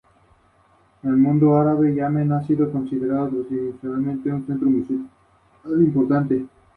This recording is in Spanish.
Fue creado para brindar ordenamiento, seguridad y eficiencia al transporte público de la ciudad.